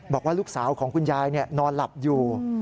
บอกว่าลูกสาวของคุณยายนอนหลับอยู่